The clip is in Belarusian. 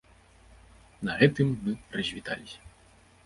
На гэтым мы развіталіся.